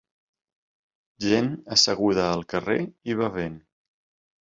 Gent asseguda al carrer i bevent.